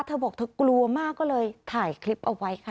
เธอบอกเธอกลัวมากก็เลยถ่ายคลิปเอาไว้ค่ะ